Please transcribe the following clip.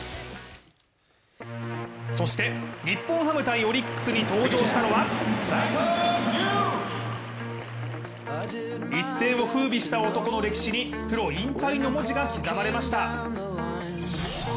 そして日本ハム×オリックスに登場したのは、一世をふうびした男の歴史にプロ引退の文字が刻まれました。